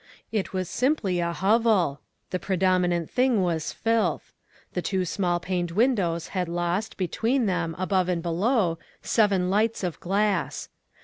It was simply a hovel. The pre dominant thing was filth. The two small paned windows had lost, between them, above and below, seven lights of glass.